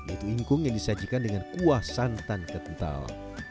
yaitu ingkung yang disajikan dengan kuah santan kental